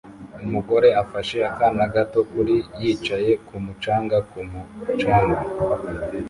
umugore afashe akana gato kuri yicaye kumu canga ku mucanga